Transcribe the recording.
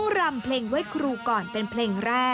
รำเพลงไว้ครูก่อนเป็นเพลงแรก